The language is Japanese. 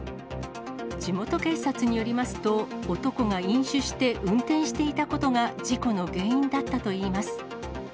地元警察によりますと、男が飲酒して運転していたことが事故の原因だったといいます。